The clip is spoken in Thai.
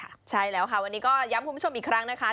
ใช่แล้วค่ะวันนี้ก็ย้ำคุณผู้ชมอีกครั้งนะคะ